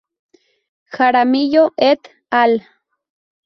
Jaramillo et al.